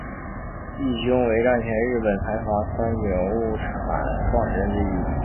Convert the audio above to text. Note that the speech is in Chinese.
义兄为战前日本财阀三井物产创始人之一。